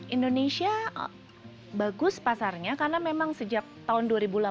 indonesia bagus pasarnya karena memang sejak tahun dua ribu delapan belas